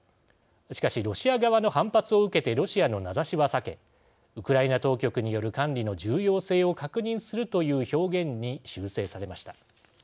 しかし、ロシア側の反発を受けてロシアの名指しは避けウクライナ当局による管理の重要性を確認するという表現に修正されました。